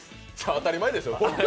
当たり前でしょう。